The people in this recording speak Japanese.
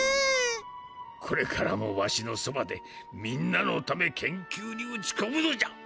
これからもわしのそばでみんなのため研究に打ちこむのじゃ。